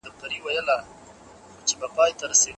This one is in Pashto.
خېمې په باران کي نه لندیږي.